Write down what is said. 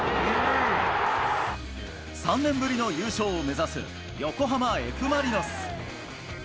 ３年ぶりの優勝を目指す、横浜Ｆ・マリノス。